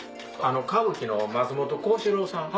歌舞伎の松本幸四郎さん。